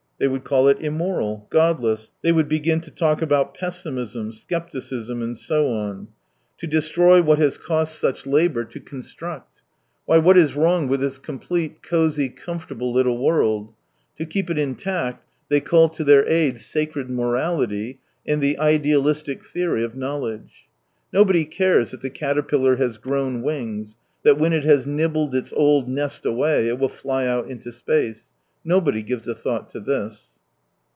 They would call it immoral,; godless, they would begin to talk about pessimism', scepticism, and so on. To deStrby what has cost such labour 66 to construct ! Why, what is wrong with this complete, cosy, comfortable little world ? To keep it intact they call to their aid sacred morality and the idealistic theory of know ledge. Nobody cares that the caterpillar has grown wings, that when it has nibbled its old nest away it will fly out into space — nobody gives a thought to this.